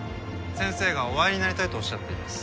先生がお会いになりたいとおっしゃっています。